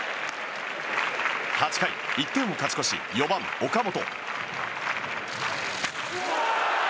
８回、１点を勝ち越し４番、岡本。